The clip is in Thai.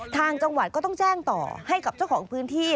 ทางจังหวัดก็ต้องแจ้งต่อให้กับเจ้าของพื้นที่